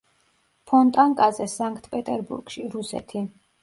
ფონტანკაზე სანქტ-პეტერბურგში, რუსეთი.